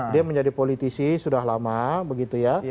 dia menjadi politisi sudah lama begitu ya